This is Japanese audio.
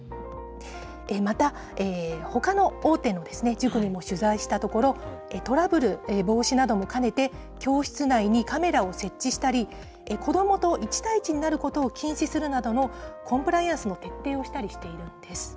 また、ほかの大手の塾にも取材したところ、トラブル防止なども兼ねて、教室内にカメラを設置したり、子どもと１対１になることを禁止するなどの、コンプライアンスの徹底をしたりしているんです。